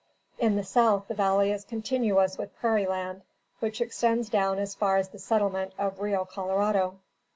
In the south, the valley is continuous with prairie land, which extends down as far as the settlement of Rio Colorado.